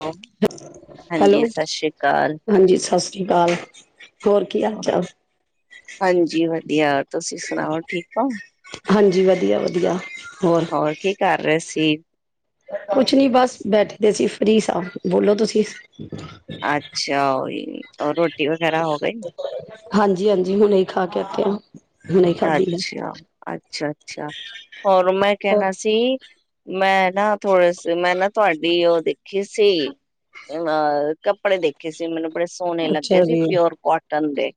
[unintelligible] Hello ਹਾਂਜੀ ਸਤਿ ਸ੍ਰੀ ਅਕਾਲ [unintelligible] ਸਤਿ ਸ਼੍ਰੀ ਅਕਾਲ [unintelligible] ਹੋਰ ਕੀ ਹਾਲ ਹੋਰ ਚਾਲ ਹਾਂਜੀ ਵਧੀਆ ਤੁਸੀਂ ਸੁਣਾਓ ਠੀਕ ਹੋ [inaudible] ਹਾਂਜੀ ਵਧੀਆ ਵਧੀਆ [unintelligible] ਹੋਰ ਕੀ ਕਰ ਰਹੇ ਸੀ [unintelligible] ਕੁਛ ਨੀ ਬਸ ਬੈਠੇਦੇ ਸੀ ਫਰੀ ਸਾਹਿਬ ਬੋਲੋ ਤੁਸੀਂ [unintelligible] ਅੱਛਾ [unintelligible] ਹੋਰ ਰੋ [unintelligible] ਟੀ ਵਗੈਰਾ ਹੋ ਗਈ [unintelligible] ਹਾਂਜੀ ਹਾਂਜੀ ਹੁਣ ਇਹ ਖਾ ਕੇ ਆਖੇਿਆ [unintelligible] ਅੱਛਾ ਅੱਛਾ ਅੱਛਾ ਹੋਰ ਮੈਂ ਕਹਿਣਾ ਸੀ [unintelligible] ਮੈਂ ਨਾ ਥੋੜੇ ਸੇ ਮਿਹਨਤ [unintelligible] ਤੁਹਾਡੀ ਉਹ ਦੇਖੀ ਸੀ [unintelligible] ਅਹ ਕੱਪੜੇ ਦੇਖੇ ਸੀ ਮੈਨੂੰ [unintelligible] ਕੱਪੜੇ ਸੋਹਣੇ ਲੱਗੇ ਅੱਛਾ ਸੀ ਜੀ ਪਿਓਰ ਕੋਟਨ ਦੇ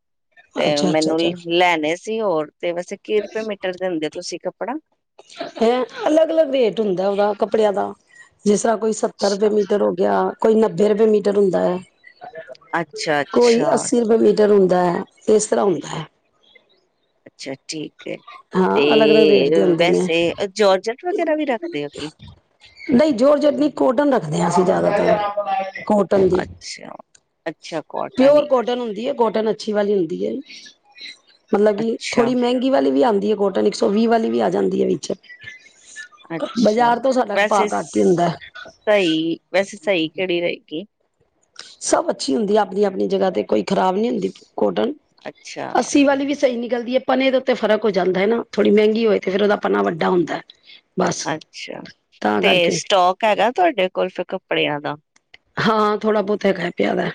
[unintelligible] ਤੇ ਅੱਛਾ ਅੱਛਾ ਮੈਨੂੰ ਅੱਛਾ ਲੈਣੇ [unintelligible] ਅਸੀਂ ਹੋਰ [unintelligible] ਤੇ ਵੈਸੇ ਕੀਹ ਰੁਪਏ ਮਟਰ ਦਿੰਦੇ ਤੁਸੀਂ [inaudible] ਆਪੜ [unintelligible] ਹੈਂ ਅਲੱਗ ਅਲੱਗ ਰੇਟ ਹੁੰਦਾ ਉਹਦਾ ਕੱਪੜਿਆਂ ਦਾ [unintelligible] ਜਿਸ ਤਰ੍ਹਾਂ ਕੋਈ ਸੱਤਰ ਰੁਪਏ ਅੱਛਾ ਮੀਟਰ ਹੋ ਗਿਆ [unintelligible] ਕੋਈ ਨੱਬੇ ਰੁਪਏ ਮੀਟਰ ਹੁੰਦਾ ਹੈ ਅੱਛਾ [inaudible] ਕੋਈ ਅੱਛਾ ਅਸੀਿਰ ਵਵੇ ਹੁੰਦਾ ਹੈ, ਇਸ ਤਰ੍ਹਾਂ ਹੁੰਦਾ ਹੈ। ਸੱਚੀ। ਹਾਂ ਤੇ ਅਲੱਗ ਅਲੱਗ ਰੇਟ ਦੇ ਹੁੰਦੇ ਨੇ ਵੈਸੇ ਜੋਰਜਟ ਵਗੈਰਾ ਵੀ ਰੱਖਦੇ ਹੋ ਕਿ? ਨਹੀ, ਜੋਰਜਟ ਨਹੀਂ। ਕਾਟਨ ਰੱਖਦੇ ਹਾਂ ਅਸੀਂ ਜ਼ਿਆਦਾਤਰ। ਕਾਟਨ ਦੀ। ਅੱਛਾ, ਅੱਛਾ ਪਿਓਰ ਹੀ ਕੋਟਨ ਹੁੰਦੀ ਹੈ, ਕੋਟਨ ਅੱ। ਅੱਛੀ ਵਾਲੀ ਹੁੰਦੀ ਹੈ। ਮਤਲਬ ਕਿ ਅੱਛਾ, ਥੋੜ੍ਹੀ ਮਹਿੰਗੀ ਵਾਲੀ ਵੀ ਆਉ ਕਾਟਨ ਇੱਕ ਸੌ ਵੀਹ ਵਾਲੀ ਵੀ ਆ ਜਾਂਦੀ ਹੈ ਵਿੱਚ। ਅੱਛਾ, ਬਾਜ਼ਾਰ ਤੋਂ ਸਾਡਾ ਭਾਅ ਵੈਸੇ ਘੱਟ ਹੀ ਹੁੰਦਾ ਸਹੀ ਵੈਸੇ ਸਹੀ ਕਿਹੜੀ ਰਹੇਗੀ? ਸਭ ਅੱਛੀ ਹੁੰਦੀ ਆਪਣੀ-ਆਪਣੀ ਜਗ੍ਹਾ ਤੇ। ਕੋਈ ਖ਼ਰਾਬ ਨੀ ਹੁੰਦੀ। ਕੋਟਨ ਅੱਛਾ, ਅੱਸੀ ਵਾਲੀ ਵੀ ਸਹੀ ਨਿਕਲਦੀ ਐ। ਪਣੇ ਦੇ ਉੱਤੇ ਫਰਕ ਹੋ ਜਾਂਦਾ ਹੈ ਹਨਾ ਥੋੜੀ ਮਹਿੰਗੀ ਹੋਏ ਤੇ ਫਿਰ ਉਹਦਾ ਪਨਾ ਵੱਡਾ ਹੁੰਦਾ ਹੈ। ਅੱਛਾ ਤੇ ਸਟੋਕ ਹੈਗਾ ਤੁਹਾਡੇ ਕੋਲ ਫ? ਕੱਪੜਿਆਂ ਦਾ। ਹਾਂ, ਥੋੜਾ ਬਹੁਤ ਹੈਗਾ ਪਿਆਦਾ।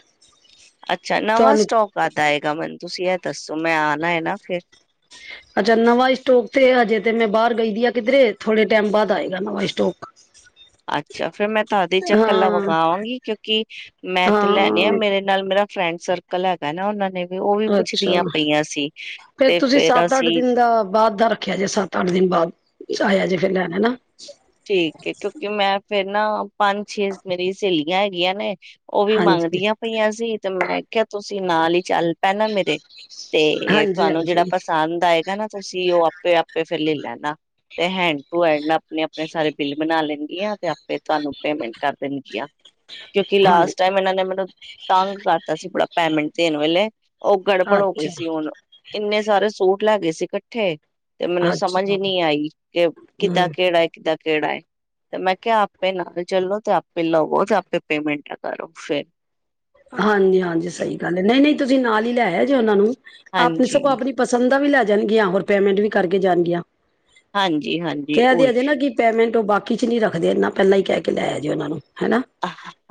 ਅੱਛਾ ਨਵਾਂ ਤੁਹਾਨੂੰ ਸਟੋਕ ਕੱਢ ਆਏਗਾ ਮੈਨੂੰ ਤੁਸੀਂ ਇਹ? ਹੈ ਨਾ ਫਿਰ ਅੱਛਾ, ਨਵਾਂ ਸਟੋਕ ਤੇ ਹਜੇ ਤੇ ਮੈਂ ਬਾਹਰ ਗਈ ਦੀ ਆ। ਕਿਧਰੇ ਥੋੜੇ ਟਾਈਮ ਬਾਅਦ ਆਏਗਾ ਨਵਾਂ ਸਟੋਕ। ਅੱਛਾ ਫੇਿਰ ਮੈਂ ਤੁਹਾਦੇ ਚ ਕੱਲਾ ਹਾਂ ਮੰਗਾਵਾਂਗੀ ਕਿਉਂਕਿ ਮੈਂ ਤੇ ਲੈਣੇ ਆ ਹਾਂ ਮੇਰੇ ਨਾਲ ਮੇਰਾ [inaudible] ਫਰੈਂਡ ਸਰਕਲ ਹੈਗਾ ਨਾ ਉਹਨਾਂ ਨੇ? ਵੀ ਉਹ ਵੀ ਅੱਛਾ, ਪੁੱਛਦੀਆਂ ਪਈਆਂ ਸੀ। ਫੇਰ ਤੇ ਤੁਸੀਂ ਸੱਤ ਅੱਠ ਅਸੀਂ ਦਿਨ ਦਾ ਬਾਅਦ ਦਾ ਰੱਖਿਆ ਜੇ ਸੱਤ ਅੱਠ ਦਿਨ ਬਾਅਦ? ਆਇਆ ਜੇ ਫਿਰ ਲੈਣਾ ਹਨਾ। ਠੀਕ ਹੈ, ਕਿਉਂਕਿ ਮੈਂ ਫਿਰ। ਨਾ, ਪੰਜ ਛੇ ਮੇਰੀਆਂ ਸਹੇਲੀਆਂ ਹੈਗੀਆਂ ਨੇ। ਉਹ ਵੀ ਹਾਂਜੀ ਮੰਗਦੀਆਂ ਪਈਆਂ ਸੀ। ਤੇ ਮੈਂ ਕਿਹਾ। ਤੁਸੀਂ ਨਾਲ ਹੀ ਚੱਲ ਫਿਰ ਲੈ ਹਾਂਜੀ ਹਾਂਜੀ ਲੈਣਾ, ਤੇ ਹੈਂਡ ਟੂ ਹੈਂਡ ਆਪਣੇ ਆਪਣੇ ਸਾਰੇ ਬਿੱਲ ਬਣਾ ਲੈਣ ਆ, ਤੇ ਆਪੇ ਤੁਹਾਨੂੰ ਪੇਮੈਂਟ ਕਰ ਦੇਣਗੀਆਂ, ਕਿਉਂਕਿ ਹਾਂ ਲਾਸਟ ਟਾਈਮ ਇਹਨਾਂ ਨੇ ਮੈਨੂੰ ਤੰਗ ਕਰਤਾ ਸੀ ਬੜਾ, ਪੈਮੈਂਟ ਦੇਣ ਵੇਲੇ। ਉਹ ਗੜਬੜ ਹੋ ਗਈ ਅੱਛਾ ਸੀ, ਹੁਣ ਇੰਨੇ ਸਾਰੇ ਸੂਟ ਲੈ ਗਏ ਸੀ ਇਕੱਠੇ ਤੇ ਮੈਨੂੰ ਸਮਝ ਅੱਛਾ ਨੀ ਆਈ ਕਿ ਕਿੱਦਾਂ ਹੂੰ ਕਿਹੜਾ [unintelligible] ੱਦਾਂ ਕਿਹੜਾ ਹੈ ਤੇ ਮੈਂ ਕਿਹਾ ਆਪੇ ਨਾਲ ਚੱਲੋ ਤੇ ਆਪੇ ਲਵੋ ਤੇ ਆਪੇ ਪੇਮੈਂਟ ਕਰੋ ਫਿਰ [unintelligible] ਹਾਂਜੀ ਹਾਂਜੀ ਸਹੀ ਗੱਲ ਹੈ ਨਹੀਂ ਨਹੀਂ ਤੁਸੀਂ ਨਾਲ ਹੀ ਲੈਆ ਜੇ ਉਹਨਾਂ ਨੂੰ ਆਪ ਸੋਂ ਹਾਂਜੀ ਆਪਣੀ ਪਸੰਦ ਦਾ ਵੀ ਲੈ ਜਾਣਗੀਆਂ ਹੋਰ ਪੇਮੈਂਟ ਵੀ ਕਰਕੇ ਜਾਣਗੀਆਂ ਹਾਂਜੀ ਹਾਂਜੀ ਕਹਿ ਉਹੀ ਦਜੇ ਨਾ ਕਿ ਪੈਮੈਂਟ ਉਹ ਬਾਕੀ ਚ ਨੀ ਰੱਖਦੇ ਇਨਾ ਪਹਿਲਾਂ ਹੀ ਕਹਿ [unintelligible] ਲਾਇਆ ਜੇ ਉਹਨਾਂ ਨੂੰ ਹਨਾ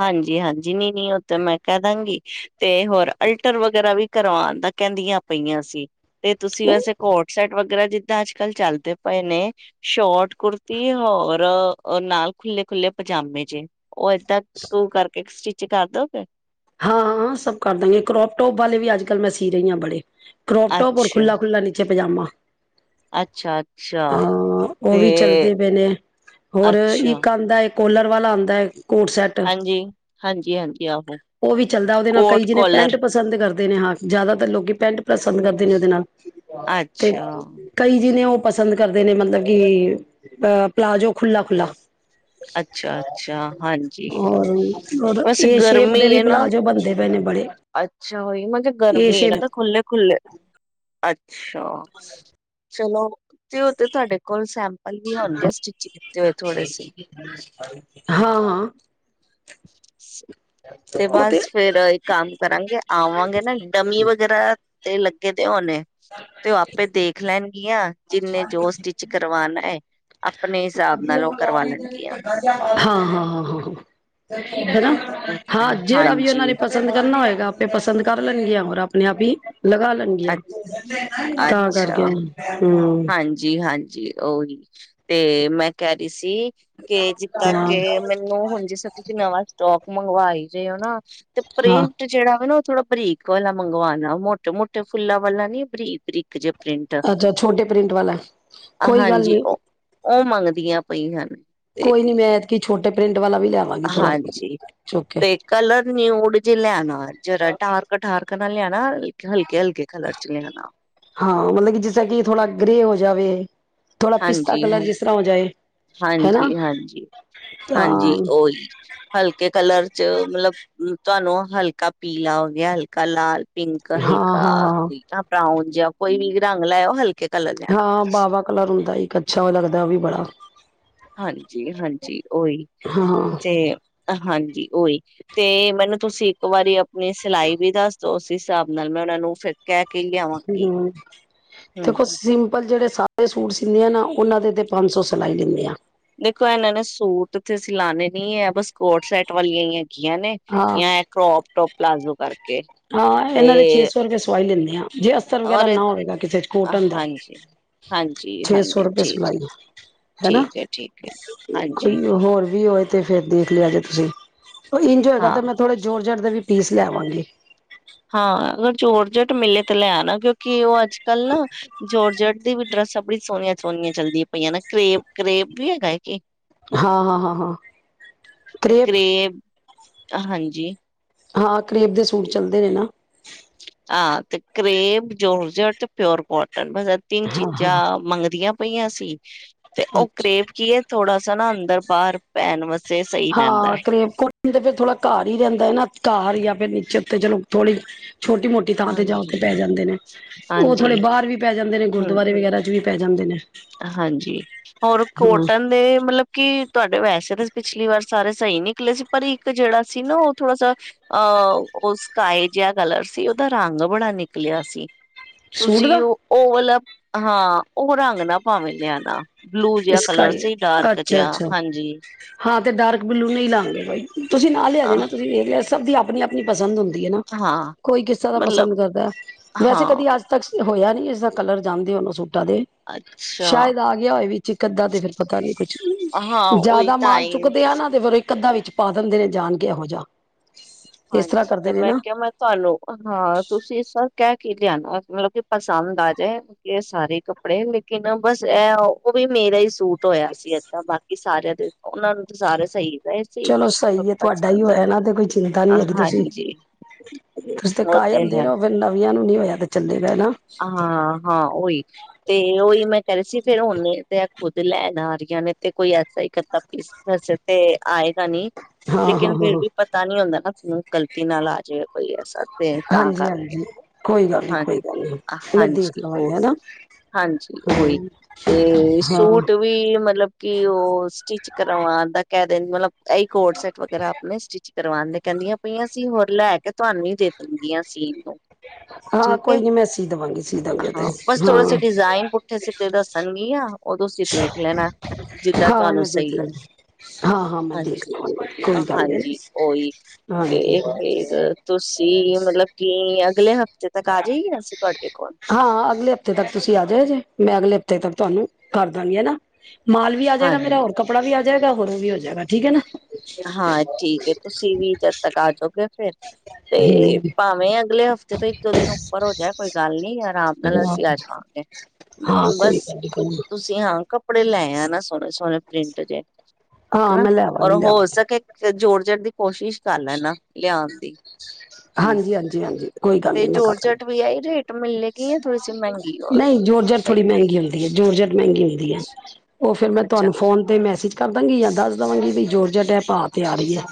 ਹਾਂਜੀ ਹਾਂਜੀ ਨੀ ਨੀ ਤੇ ਮੈਂ ਕਹਿ ਦਾਂਗੀ ਤੇ ਹੋਰ ਅਲਟਰ ਵਗੈਰਾ ਵੀ ਕਰਵਾਉਣ ਦਾ ਕਹਿੰਦੀਆਂ ਪਈਆਂ ਸੀ ਤੇ ਤੁਸੀਂ ਉਹ ਵੈਸੇ ਕੋਟ ਸਡ ਵਗੈਰਾ ਜਿੱਦਾਂ ਅੱਜ ਕੱਲ ਚੱਲਦੇ ਪਏ ਨੇ ਸ਼ੋਟ ਕੁੜਤੀ ਹੋਰ ਨਾਲ ਖੁੱਲੇ ਖੁੱਲੇ ਪਜਾਮੇ ਜੇ ਉਹ ਏਦਾਂ ਉਹ ਕਰਕੇ ਸਿਚ [unintelligible] ਚ ਕਰਦੋ ਫ ਹਾਂ ਸਭ ਕਰ ਦਾਂਗੇ ਕਰੋਪ ਟੋਪ ਵਾਲੇ ਵੀ ਅੱਜ ਕੱਲ੍ਹ ਮੈਂ ਸੀ ਰਹੀ ਹਾਂ ਬੜੇ ਕਰੋ ਟੋਪ ਰ ਅੱਛਾ, ਖੁਲਾ ਖੁੱਲਲਾ ਨੀਾ ੇ ਪਜਾਮਾ [unintelligible] ਅੱਛਾ-ਅੱਛਾ ਹਾਂ ਉਹ ਵੀ ਤੇ ਚੱਲਦੇ ਪਏ ਨੇ ਹੋਰ ਅੱਛਾ ਇੱਕ ਆਦਾ ਇੱਕ ਕੋਲਰ ਵਾਲਾ ਆਉਂਦਾ ਹੈ ਕੋਟਸੈਟ ਹਾਂਜੀ ਹਾਂਜੀ ਉਹ ਵੀ ਚੱਲਦਾ ਉਹਦੇ ਨਾਲ ਕਈ ਜਿੇ ਪੈਂਟ ਪਸੰਦ ਕਰਦੇ ਦੇ ਨੇ ਹਾਂ ਜ਼ਿਆਦਾਤਰ ਲੋਕ ਪੈਂਟ ਪਸੰਦ ਕਰਦੇ ਨੇ ਉਹਦੇ ਨਾਲ [inaudible] ਤੇ ਅੱਛਾ। ਕਈ ਜਿਨੇ ਉਹ ਪਸੰਦ ਕਰਦੇ ਨੇ ਮਤਲਬ ਕਿ ਅਹ ਪਲਾਜ਼ੋ ਖੁਲਾ ਖੁ੍ਹਲਾ [unintelligible] ਅੱਛਾ ਅੱਛਾ ਹਾਂਜੀ ਔਰ ਔਰ ਬਸ ਏ ਗਰਮ ਸ਼ੇਪ ਦੇ ਗਮੀ ਵੀ ਹੈ ਨਾ ਪਲਾਜ਼ੋ ਬਣਦੇ ਪਏ ਨੇ ਬੜੇ ਅੱਛਾ ਹੋਈ ਏ ਗਰਮੀ ਹੈ ਸ਼ੇਪ ਨਾ ਤਾਂ ਖੁੱਲਲੇ ਖੁੱਲਲੇ ਅੱਛਾ ਚਲੋ ਤੇ ਉਹ ਤੇ ਤੁਹਾਡੇ ਕੋਲ ਸੈਂ ਪਵ ਹੋਣਗੇ ਸਟਿਚ ਕੀਤੇ ਹੋਏ ਥੋੜੇ ਸ ਹਾਂ ਹਾਂ [unintelligible] ਤੇ ਬਸ ਫੇਰ ਇੱਕ ਕੰਮ ਕਰਾਂਗੇ ਆਵਾਂਗੇ ਨਾ ਡਮੀ ਵਗੈਰਾ ਤੇ ਲੱਗੇ ਤੇ ਹੋਣੇ ਤੇ ਉਹ ਆਪੇ ਦੇਖ ਲੈ [unintelligible] ੀਆਂ ਜਿੰਨੇ ਜੋ ਸਟਿਚ ਕਰਵਾਣਾ ਹੈ ਆਪਣੇ ਹਿਸਾਬ ਨਾਲ ਉਹ ਕਰਵਾ ਲੈਣਗੀਆਂ ਹਾਂ ਹਾਂ ਹਾਂ ਹਾਂ ਹੈਨਾ ਅੱਛਾ, ਹਾਂ ਜਿਹੜਾ ਵੀ ਹਾਂਜੀ ਉਹਨਾਂ ਨੇ ਪਸੰਦ ਕਰਨਾ ਹੋਏਗਾ ਆਪੇ ਪਸੰਦ ਕਰ ਲੈਣਗਿਆ ਹੋਰ ਆਪਣੇ ਆਪ ਹੀ ਲਗਾ ਲਣਗੀਆਂ ਤਾਂ ਕਰਕੇ [inaudible] ਹਾਂਜੀ ਹਾਂਜੀ ਓਹੀ ਤੇ ਮੈਂ ਕਹਿ ਰਹੀ ਸੀ ਜਿਤਾ ਹਾਂ ਕੇ ਮੈਨੂੰ ਹੁਣ ਜਿਸ ਤਰ ਤੁਸੀਂ ਨਵਾਂ ਸਟੋਕ ਮੰਗਵਾਈ ਜੇ ਉਹ ਨਾ ਤੇ ਹਾਂ ਪ੍ਰਿੰਟ ਜਿਹੜਾ ਵੇ ਨਾ ਥੋੜਾ ਬਰੀਕ ਵਾਲਾ ਮੰਗਵਾਉਣਾ ਮੋਟੇ ਮੋਟੇ ਫੁੱਲਾਂ ਵਾਲਾ ਨੀ ਬਰੀਕ ਬਰੀਕ ਜੇ ਪ੍ਰਿੰਟ ਅੱਛਾ ਛੋਟੇ ਪ੍ਰਿੰਟ ਵਾਲਾ ਕੋਈ ਗੱਲ ਹਾਂਜੀ ਨੀ ਉਹ ਉਹ ਮੰਗਦੀਆਂ ਪਈਆਂ ਹਨ ਤੇ ਕੋਈ ਨੀ ਮੈਂ ਐਤਕੀ ਛੋਟੇ ਪ੍ਰਿੰਟ ਵਾਲਾ ਵੀ ਲਿਆਵਾਂਗੀ ਥੋੜਾ ਹਾਂਜੀ ਚੁੱਕ ਕੇ ਤੇ ਕਲਰ ਨਿਊਡ ਜਿ ਲਿਣਾ ਜਿਆਦਾ ਡਾਰਕ ਡਾਰਕ ਕਲਰ ਲਿਆਣਾ ਹਲਕੇ ਹਲਕੇ ਕਲਰ ਚ ਲੈਣਾ ਹਾਂ ਮਤਲਬ ਕਿ ਜਿਸ ਤਰ੍ਹਾਂ ਕਿ ਥੋੜਾ ਗ੍ਰੇਅ ਹੋ ਜਾਵੇ ਇਹ ਹਾਂਜੀ ਹਾਂ ਹੈਨਾ ਹਾਂਜੀ ਹਾਂਜੀ ਹਾਂ ਹਾਂਜੀ ਉਓਹੀ ਹਲਕੇ ਕਲਰ ਚ ਮਤਲਬ ਤੁਹਾਨੂੰ ਹਲਕਾ ਪੀਲਾ ਹੋ ਗਿਆ ਹਲਕਾ ਲਾਲ ਪਿੰਕ ਹਾਂ ਹਾਂ ਹਲਕਾ ਹਾਂ ਬਰਾਊਨ ਜਾਂ ਕੋਈ ਵੀ ਰੰਗ ਲੈਓ ਹਲਕੇ ਕਲਰ ਲੈਣਾ ਹਾਂ ਬਸ ਬਾਵਾ ਕਲਰ ਹੁੰਦਾ ਇੱਕ ਅੱਛਾ ਉਹ ਲੱਗਦਾ ਉਹ ਵੀ ਬੜਾ ਹਾਂਜੀ ਹਾਂਜੀ ਓਹੀ ਹਾਂ ਤੇ ਹਾਂਜੀ ਓਹੀ ਤੇ ਮੈਨੂੰ ਤੁਸੀਂ ਇੱਕ ਵਾਰੀ ਆਪਣੀ ਸਿਲਾਈ ਵੀ ਦੱਸ ਦੋ ਉਸ ਹਿਸਾਬ ਨਾਲ ਮੈਂ ਉਹਨਾਂ ਨੂੰ ਫਿਰ ਕਹਿ ਕੇ [unintelligible] ਲਿਆਵਾਂਗੀ ਤੇ ਹਮ ਕੁਛ ਸਿਮ ਲ ਜਿਹੜੇ ਸਾਦੇ ਸੂਟ ਸਿਂਦੇ ਆ ਨਾ ਉਹਨਾਂ ਦੇ ਤੇ ਪੰਜ ਸੌ ਸਿਲਾਈ ਲੈਂਦੇ ਆ ਦੇਖੋ ਇਹਨਾਂ ਨੇ ਸੂਟ ਤੇ ਸਿਲਾਣੇ ਨਹੀਂ ਹੈ ਬਸ ਕੋਟ ਸੈਟ ਵਾਲੀਆਂ ਹੀ ਹੈ ਹੈਗਿਆ ਨੇ ਹਾਂ ਜਾਂ ਇਹ ਕਰੋਪ ਟੋਪ ਪਲਾਜ਼ੋ ਕਰਕੇ ਹਾਂ ਤੇ ਇਹਨਾਂ ਦੇ ਛੇ ਸੌ ਰੁਪਏ ਸਵਾਈ ਲੈਂਦੇ ਆ ਜੇ ਅਸਤਰ ਵਗੈਰਾ ਔਰ ਨਾ ਹੋਵੇਗਾ ਕਿਸੇ ਕੋਟਨ ਦਾ ਹਾਂਜੀ, ਹਾਂਜੀ, ਛੇ ਸੌ ਹਾਂਜੀ ਰੁਪਏ ਠੀਕ, ਸਲਾਈ ਹੈਨਾ ਠੀਕ ਹੈ, ਠੀਕ ਹੈ। ਹਾਂਜੀ, ਕੋਈ ਹੋਰ ਵੀ ਹੋਏ ਤੇ ਫੇਰ ਦੇਖ ਲਿਆ ਜੇ ਤੁਸੀਂ ਇੰਝ ਹੋਇਗਾ ਹਾਂ। ਤੇ ਮੈਂ ਥੋੜੇ ਜੋਰਜਟ ਦੇ ਵੀ ਪੀਸ ਲੈਵਾਂਗੇ ਹਾਂ ਅਗਰ ਜੋਰਜਟ ਮਿਲੇ ਤਾਂ ਲੈਣਾ ਕਿਉਂਕਿ ਉਹ ਅੱਜ ਕੱਲ੍ਹ ਨਾ ਜੋਰਜਟ ਦੀ ਵੀ ਡਰੈੱਸਾਂ ਬੜੀ ਸੋਹਣੀਆਂ ਸੋਹਣੀਆਂ ਚੱਲਦੀਆਂ ਪਈਆਂ ਨਾ ਕਰੇਬ ਕਰੇਬ ਵੀ ਹੈਗਾ ਹੈ ਕਿ ਹਾਂ ਹਾਂ ਹਾਂ ਹਾਂ ਤੇ ਕ੍ਰੇਪ ਕਰੇਬ ਹਾਂਜੀ ਹਾਂ ਕਰੀਬ ਦੇ ਸੂਟ ਚੱਲਦੇ ਨੇ ਨਾ ਹਾਂ ਤੇ ਕਰੇਬ ਜੋਰ ਜਰ ਤੇ ਪਿਓਰ ਪੋਟ ਸ ਤਿੰਨ ਹਾਂ ਹਾਂ ਚੀਜ਼ਾਂ ਮੰਗਦੀਆਂ [unintelligible] ਪਈਆਂ ਸੀ [unintelligible] ਤੇ ਉਹ ਅੱਛਾ ਕਰੇਬ ਕੀ ਹੈ [unintelligible] ਥੋੜਾ ਸ ਨਾ ਅੰਦਰ ਬਾਹਰ ਪੈਣ ਵਾਸਤੇ ਸਹੀ ਰਹਿੰਦਾ। ਹਾਂ ਹੈ। ਕਰੇ ਫਿਰ ਥੋੜਾ ਘਰ ਹੀ ਰਹਿੰਦਾ ਨਾ ਘਾਹਰ ਹੀ ਜਾਂ ਫਿਰ ਨ [inaudible] ਚੇਤੇ ਚਲੋ ਥੋੜ੍ਹੀ [unintelligible] ਛੋਟੀ ਮੋਟੀ ਥਾਂ ਤੇ ਜਾ ਉਥੇ ਹਾਂਜੀ, ਪੈ ਜਾਂਦੇ ਨੇ ਉਹ ਥੋੜੇ ਹਾਂਜੀ, ਬਾਹਰ ਵੀ ਪੈ ਜਾਂਦੇ ਨੇ ਹੂੰ। ਗੁਰਦੁਆਰੇ ਵਗੈਰਾ ਚ ਵੀ [unintelligible] ਪੈ ਜਾਂਦੇ ਨੇ [unintelligible] ਹਾਂਜੀ ਹੋਰ ਹਾਂ ਕੋਟਨ ਦੇ ਮਤਲਬ [unintelligible] ਕਿ ਤੁਹਾਡੇ ਵੈਸੇ ਤਾਂ ਪਿਛਲੀ ਵਾਰ ਸਾਰੇ ਸਹੀ ਨਿਕਲੇ ਸੀ ਪਰ ਇੱਕ ਜਿਹੜਾ ਸੀ ਨਾ ਉਹ ਥੋੜਾ ਸ ਅਹ ਉਹ ਸਕਏ ਜਿਹਾ ਕਲਰ ਸੀ ਉਹਦਾ ਰੰਗ ਬੜਾ ਨਿਕਲਿਆ ਸੀ [unintelligible] ਸੂਟ ਤੁਸੀਂ ਦਾ ਉਹ ਉਹ ਵਾਲਾ ਹਾਂ ਉਹ ਰੰਗ ਨਾ [unintelligible] ਾਂ ਮਿਲਿਆ ਨਾ ਬਲੂ ਜਿਹਾ ਕਲਰ ਸਕਾਈ ਸੀ ਡਾਰਕ ਅੱਛਾ ਜਿਹਾ ਅੱਛਾ ਹਾਂਜੀ [unintelligible] ਹਾਂ ਤਾਂ ਡਾਰਕ ਬਲੂ ਨਹੀਂ ਲਵਾਂਗੇ ਬਾਈ ਤੁਸੀਂ ਨਾ ਲਿਆ ਅ ਦੇਣਾ ਤੁਸੀਂ ਮੇ ਲਿਆ ਸਭ ਦੀ ਆਪ [unintelligible] ਆਪਣੀ ਆਪਣੀ ਪਸੰਦ ਹੁੰ ਹਾਂ ਕੋਈ ਕਿਸ ਤਰ ਦਾ ਮਤਲਬ ਪਸੰਦ ਕਰਦਾ ਵੈਸੇ ਹਾਂ ਕਦੀ ਅੱਜ ਤੱਕ ਹੋਇਆ ਨਹੀਂ [unintelligible] ਇਸਦਾ ਕਰ ਜਾਂਦੇ ਉਹਨੂੰ ਸੂਟ ਦੇ ਅੱਛਾ ਸ਼ਾਇਦ ਆ ਗਿਆ ਹੋਏ ਵੀ [unintelligible] ਅੱਧਾ ਤੇ ਫਿਰ ਪਤਾ ਨੀ ਕੁਛ ਹਾਂ ਉਹੀ ਜਿਆਦਾ ਤਾਂ ਮਾਲ ਹੀ ਚੁੱਕਦੇ ਆ ਨਾ ਤੇ ਫਿਰਰ ਕੱਧਾਂ ਵਿੱਚ ਪਾ ਦਿੰਦੇ ਨੇ ਜਾਣ ਕੇ ਇਹੋ ਜਿਹਾ ਇਸ ਤਰ੍ਹਾਂ ਹਾਂਜੀ ਤੇ ਕਰਦੇ ਨੇ ਮੈਂ ਨਾ ਕਿਹਾ ਮੈਂ ਤੁਹਾਨੂੰ ਹਾਂ ਤੁਸੀਂ ਇਸ ਕਹਿ [unintelligible] ਕੀ ਲਿਆਣਾ ਮਤਲਬ ਕਿ ਪਸੰਦ ਆ ਜਾਏ ਇਹ ਸਾਰੇ ਕੱਪੜੇ ਲੇਕਿਨ ਬਸ ਇਹ ਉਹ ਵੀ ਮੇਰਾ ਹੀ ਸੂਟ ਟ ਹੋਇਆ ਸੀ ਏਦਾਂ ਬਾਕੀ ਸਾਰਾਰੇ ਤੇ ਉਹਨਾਂ ਨੂੰ ਤਾਂ ਸਾਰੇ ਸਹੀ ਗਏ ਸੀ ਚਲੋ ਸਹੀ ਹੈ ਤੁਹਾਡਾ ਪਸੰਦ ਹੋਨਾਂ ਤੇ ਕੋਈ ਚੀ [inaudible] ਪਾਂ ਨੀ ਹੈਗੀ ਤੁਸੀਂ ਹਾਂਜੀ ਤੁਸੀਂ ਤੇ ਉਹ ਕਾਇਮ ਦੇ ਹੈ ਰ ਹੋ ਫਿਰ ਨਵੇ [unintelligible] ਨੂੰ ਨਹੀਂ ਹੋਇਆ ਤੇ ਚੱਲੇ ਹਾਂ ਹਾਂ ਓਹੀ ਤੇ ਉਹੀ ਮੈਂ ਕਹਿ ਰਹੀ ਸੀ ਫਿਰ ਉਹਨੇ ਤੇ ਖੁੱਦ ਲੈਣ ਆ ਰਹੀਆਂ ਨੇ ਤੇ ਕੋਈ ਐਸਾ ਹੀ ਅੱਧਾ ਪੀਸ ਤੇ ਆਏ ਪਤਾ ਨੀ ਹਾਂ ਹਾਂ ਲੇਕਿਨ ਹਾਂ ਫੇਿਰ ਹਾਂ ਵੀ ਪਤਾ ਨੀ ਹੁੰਦਾ ਨਾ ਗ਼ਲਤੀ ਨਾਲ ਆ ਜਾਵੇਏ ਕੋਈ ਐਸਾ ਤੇ ਤਾਂ ਹਾਂਜੀ ਕਰਕੇ ਹਾਂਜੀ ਕੋਈ ਗੱਲ ਨੀ ਹਾਂ ਕੋਈ ਗੱਲ ਨੀ ਮੈਂ ਦੇਖ ਹਾਂਜੀ ਲਵਾਂਗੀ ਓਹੀ ਹਨਾ ਹਾਂਜੀ ਉਓਹੀ ਹਾਂ ਤੇ ਹਾਂ ਸੂਟ ਵੀ ਮਤਲਬ ਕਿ ਉਹ ਸਟਿਚ ਕਰਾਵਾਂ ਦਾ ਕਹਿ ਰੈਣ ਬਲਬ ਇਹਈ ਕੋਡ ਸੈਟ ਵਗੈਰਾ ਆਪਣੇ ਸਟਿਚਿੰਗ ਕਰਵਾਦੇ ਕਹਿੰਦੀਆਂ ਪਈਆਂ ਸੀ ਹੋਰ ਲੈ ਕੇ ਤੁਹਾਨੂੰ ਹੀ ਦੇ ਦੇਣਗੀਆਂ ਸੀਨ ਨੂੰ ਹਾਂ ਠੀਕ ਹੈ ਕੋਈ ਨੀ ਮੈਂ ਦੇਵਾਂਗੀ ਸੀ ਦੇਵਾਂਗੀ ਉਹ ਤੇ ਹਾਂ ਬਸ ਥੋੜਾ ਸ ਹਾਂ ਡਿਜ਼ਾਇਨ ਪੁੱਠੇ ਸਿੱਧੇ ਦੱਸਣਗੀਆਂ ਉਹ ਤੁਸੀਂ ਦੇਖ ਲੈਣਾ ਜਿਦਾ ਹਾਂ ਤੁਹਾਨੂੰ ਮੈਂ ਦੇਖ ਸਹੀ ਲਾਂਗੀ ਲੱਗੇ ਹਾਂ ਹਾਂ ਮੈਂ ਦੇਖ ਹਾਂਜੀ ਲਵਾਂਗੀ ਕੋਈ ਗੱਲ ਨੀ ਹਾਂਜੀ ਉਓਹੀ ਤੇ ਹਾਂਜੀ ਫੇਰ ਤੁਸੀਂ ਮਤਲਬ ਕੀ ਅਗਲੇ ਹਫ਼ਤੇ ਜੱਦ ਤੱਕ ਆ ਜਾਏ ਗੀ ਅਰਸ਼ ਹਾਂ ਅਗਲੇ ਹਫ਼ਤੇ ਤੱਕ ਤੁਸੀਂ ਆਜਾਏ ਜੇ ਮੈਂ ਅਗਲੇ ਹ ਤੇ ਤਾਂ ਤੁਹਾਨੂੰ ਕਰ ਦਾ ਗੀ ਹੈਣਾ ਮਾਲ ਵੀ ਆ ਜਾਏਗਾ ਮੇਰਾ ਹਾਂਜੀ ਹੋਰ ਕੱਪੜਾ ਵੀ ਆ ਜਾਏਗਾ ਹੋਰ ਵੀ ਹੋ ਜਾਏਗਾ ਠੀਕ ਹੈ ਨਾ ਹਾਂ ਠੀਕ ਹੈ ਤੁਸੀਂ ਵੀ ਜਦ ਤੱਕ ਆ ਜਾਓਗੇ ਫੇਿਰ ਤੇ ਹੂੰ ਭਾਵੇਂ ਅਗਲੇ ਹਫ਼ਤੇ ਦੇ ਇਕਦੋ ਦਿਨ ਉੱਪਰ ਹੋ ਜਾਏ ਕੋਈ ਗੱਲ ਨੀ ਯਾਰ ਏਨਾ ਹਾਂ ਕੋਈ ਬਸ ਗੱਲ ਨੀ ਕੋਈ ਗੱਲ ਤੁਸੀਂ ਹਾਂ ਕੱਪੜੇ ਲਏ ਆਣਾ ਸੋਹਣੇ ਸੋਹਣੇ ਪ੍ਰਿੰਟ ਜਹੇ ਹਾਂ ਮੈ ਲੈ ਆਵਾਂ ਗੀ ਲੈ ਆਵਾਂ ਗੀ ਇੱਕ ਜੋਰ ਜੜ ਦੀ ਕੋਸ਼ਿਸ਼ ਕਰ ਲੈਣਾ ਲਿਆਉਣ ਦੀਂਗ ਹਾਂਜੀ ਹਾਂਜੀ ਹਾਂਜੀ ਕੋਈ ਗੱਲ ਨੀ ਮੈਂ ਕਰ ਲਾ ਜੋਰਜਟ ਵੀ ਇਹੀ ਰੇਟ ਮਿਲੇਗੀ ਜਾਂ ਥੋੜੀ ਸੀ ਗੀਤ ਮਹਿੰਗੀ ਔਰ ੳਫਨਹੀਂ ਜੋਰਜਟ ਪਈ ਥੋੜ੍ਹੀ ਮਹਿੰਗੀ ਹੁੰਦੀ ਹੈ ਜੋਰਜਟ ਮਹਿੰਗੀ ਹੁੰਦੀ ਅੱਛਾ-ਅੱਛਾ ਹੈ ਫਿਰ ਮੈਂ ਤੁਹਾਨੂੰ ਫੋਨ ਤੇ ਮ ਠੀਕ ਕਰ ਦਾਂਗੀ ਯਾ ਦੱਸ ਦਵਾਂਗੀ ਭੀ ਜੋਰਜਟ ਏ ਪਾ ਤੇ ਆ ਰਹੀ ਹੈ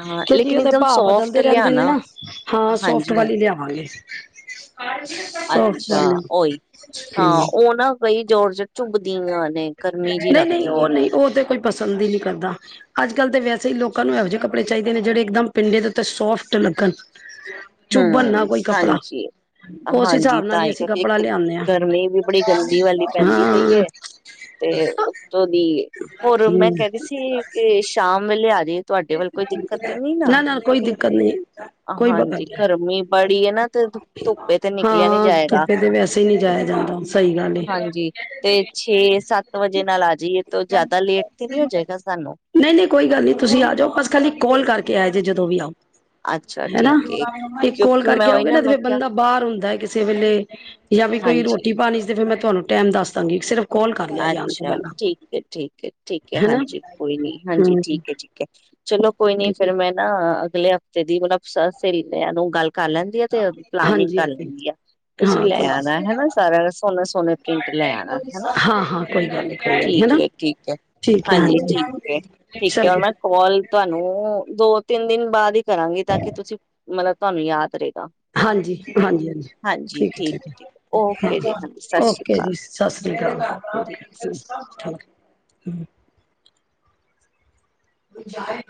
ਹਾਂ ਕਿਉਂਕਿ ਲੇਕਿਨ ਉਹਦੇ ਇੱਕਦਮ ਭਾਅ ਸੋਫਟ ਬਦਲਦੇ ਰਹਿੰਦੇ ਨੇ ਲਿਆਣਾ ਨਾ ਹਾਂ ਸੋਫਟ ਵਾਲੀ ਹਾਂਜੀ-ਹਾਂਜੀ ਲਿਆਵਾਂਗੇ ਸੋਫਟ ਅੱਛਾ ਵਾਲਮ ਬਈ [unintelligible] ਨਹੀਂ ਨਹੀਂ ਲੱਗਦੀ ਹੈ। ਉਹ ਨਹੀਂ ਉਹ ਤੇ ਕੋਈ ਪਸੰਦ ਹੀ ਨਹੀਂੀ ਕਰਦਾ ਅੱਜ ਕੱਲ੍ਹ ਤਾਂ ਵੈਸੇ ਹੀ ਲੋਕ ਲੋਕ ਨੂੰ ਇਹੋ ਜਹੇ ਕੱਪੜੇ ਚਾਦੇ ਨੇ ਜਿਹੜੇ ਇੱਕਦਮ ਪਿੰਡ ਦੇੱਤੇ ਸੋਫਟ ਲੱਗਣ ਚੁੱਭਣ ਨਾ ਹਮ ਕੋਈ ਕੱਪੜਾ ਹਾਂਜੀ ਉਸ ਹਾਂਜੀ ਹਿਸਾਬ ਨਾਲ ਤਾਂ ਹੀ ਅਸੀਂ ਕਰ ਕੱਪੜਾ ਇੱਕ ਲਿਆਨੇ ਆ ਗਰਮੀ ਵੀ ਬੜੀ ਗੰਦੀ ਵਾਲੀ ਪੈ ਜਾਂਦੀ ਪਈ ਹਾਂ ਹੈ ਤੇ ਉਤੋਂ ਦੀ ਹੋਰ ਮੈਂ ਹੂੰ ਕਹਦੀ ਸੀ ਕਿ ਸ਼ਾਮ ਵੇਲੇ ਆ ਜਾਹੀ ਨਾ ਨਾ ਕੋਈ ਦਿੱਕਤ ਨਹੀਂ ਕੋਈ ਬਕਤ ਹਾਂਜੀ ਨਹੀਂ ਗਰਮੀ ਬੜੀ ਹੈ ਨਾ ਤੇ ਧੁੱਪੇ ਤੇ ਨਿਕਲਿਆ ਨੀ ਹਾਂ ਜਾਏਗਾ ਧੁੱਪੇ ਤੇ ਵੈਸੇ ਹੀ ਨਹੀਂ ਜਾਇਆ ਜਾਂਦਾ ਸਹੀ ਗੱਲ ਏ ਹਾਂਜੀ ਤੇ ਛੇ ਸੱਤ ਵਜੇ ਨਾਲ ਆ ਜਾਈਏ ਤਾਂ ਜ਼ਿਆਦਾ ਲੇਟ ਤੇ ਨੀ ਹੋ ਜਾਏਗਾ ਸਾਨੂੰ ਜੋ ਬਸ ਖਾਲੀ ਕਾਲ ਕਰਕੇ ਆਏ ਜੇ ਜਦੋਂ ਵੀ ਆਓ ਅੱਛਾ ਹਨਾ ਠੀਕ ਹੈ। ਇੱਕ ਕੋਲ ਕਿਉਂਕਿ ਮੈਂ ਕਰਕੇ ਉਹੀ ਆਓਗੇ ਨਾ ਤੇ ਮੈਂ ਫੇਿਰ ਕਿਹਾ ਬੰਦਾ ਬਾਹਰ ਹੁੰਦਾ ਕਿਸੇ ਵੇਲੇ ਜਾਂ ਵੀ ਕੋਈ ਹਾਂਜੀ ਰੋਟੀ ਪਾਣੀ ਤੇ ਫਿਰ ਮੈਂ ਤੁਹਾਨੂੰ ਟਾਈਮ ਦੱਸ ਦਾਂਗੀ ਸਿਰਫ ਕਾਲ ਕਰ ਲਿਆ ਜਾਣ ਤੋਂ ਅੱਛਾ ਪਹਿਲਾਂ ਠੀਕ ਹੈ ਠੀਕ ਹੈ ਠੀਕ ਹੈ ਹਨਾ ਹਾਂਜੀ ਕੋਈ ਨੀ ਹਾਂਜੀ ਹਮ ਠੀਕ ਹੈ ਠੀਕ ਹੈ ਚਲੋ ਕੋਈ ਨੀ ਠੀਕ ਹੈ ਫੇਿਰ ਮੈਂ ਨਾ ਅਗਲੇ ਹਫ਼ਤੇ ਦੀ ਮਤਲਬ ਸਹੇਲੀਆਂ ਨੂੰ ਗੱਲ ਕਰ ਲੈਂਦੀ ਆ ਤੇ ਪਲਾਨਿੰਗ ਹਾਂਜੀ ਕਰ ਹਾਂਜੀ ਲੈਂਦੀ ਆ ਤੁਸੀਂ ਹਾਂ ਲੈ ਕੋਈ ਆਣਾ ਹਨਾ ਸਾਰਾ ਸੋਹਣੇ ਸੋਹਣੇ ਪ੍ਰਿੰਟ ਲੈ ਆਣਾ ਹਨਾ ਹਾਂ ਹਾਂ ਕੋਈ ਗੱਲ ਨੀ ਕੋਈ ਗੱਲ ਨੀ ਠੀਕ ਹਨਾ ਹੈ ਠੀਕ ਹੈ ਠੀਕ ਹੈ ਹਾਂਜੀ ਠੀਕ ਹੈ ਠੀਕ ਚਲੋ ਹੈ ਮੈਂ ਕੋਾਲ ਤੁਹਾਨੂੰ ਦੋ ਤਿੰਨ ਦਿਨ ਬਾਅਦ ਹੀ ਕਰਾਂਗੇ ਤਾਂ ਕਿ ਤੁਸੀਂ ਮਤਲਬ ਤੁਹਾਨੂੰ ਯਾਦ ਰਹੇ ਹਾਂਜੀ ਹਾਂਜੀ ਹਾਂਜੀ ਠੀਕ ਹੈ ਠੀਕ ਹੈ ਓਕੇ ਜੀ ਹਾਂਜੀ ਸਤਿ ਸ਼੍ਰੀ ਓਕੇ ਜੀ ਅਕਾਲ ਸਤਿ ਸ੍ਰੀ ਅਕਾਲ ਠੀਕ ਓਕੇ ਹੈ। ਕ ਹਮ ਜਾਏ